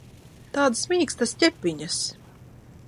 Tādas mīkstas ķepiņas!